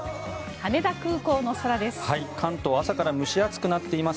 羽田空港の空です。